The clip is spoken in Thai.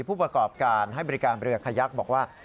ผู้ประกอบการให้บริการเรือขยักบอกว่า